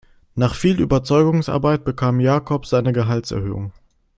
Nach viel Überzeugungsarbeit bekam Jakob seine Gehaltserhöhung.